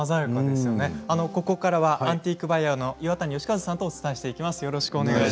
ここからはアンティークバイヤーの岩谷好和さんとお伝えしていきます。